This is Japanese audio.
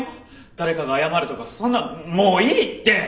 誰かが謝るとかそんなのもういいって！